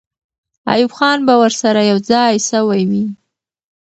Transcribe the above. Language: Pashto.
ایوب خان به ورسره یو ځای سوی وي.